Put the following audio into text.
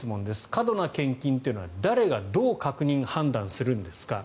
過度な献金というのは誰がどう確認・判断するんですか。